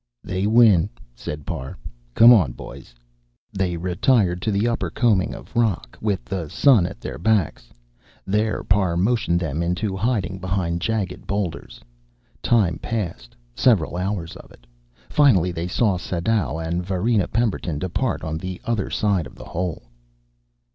"They win," said Parr. "Come on, boys." They retired to the upper combing of rock, with the sun at their backs. There Parr motioned them into hiding behind jagged boulders. Time passed, several hours of it. Finally they saw Sadau and Varina Pemberton depart on the other side of the hole.